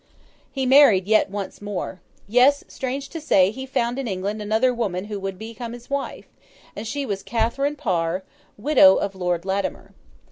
He married yet once more. Yes, strange to say, he found in England another woman who would become his wife, and she was Catherine Parr, widow of Lord Latimer.